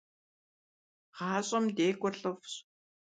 ГъашӀэм декӀур лӀыфӀщ.